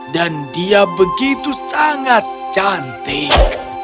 dan dia begitu sangat cantik